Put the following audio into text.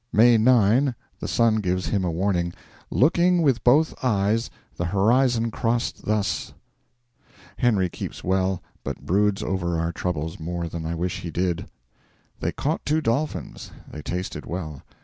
May 9 the sun gives him a warning: 'Looking with both eyes, the horizon crossed thus +.' 'Henry keeps well, but broods over our troubles more than I wish he did.' They caught two dolphins; they tasted well.